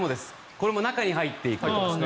これも中に入ってます。